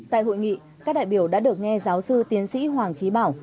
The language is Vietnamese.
tại hội nghị các đại biểu đã được nghe giáo sư tiến sĩ hoàng trí bảo